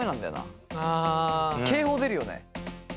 警報出るよね。